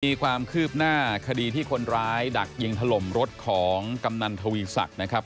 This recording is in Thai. มีความคืบหน้าคดีที่คนร้ายดักยิงถล่มรถของกำนันทวีศักดิ์นะครับ